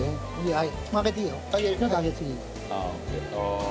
はい。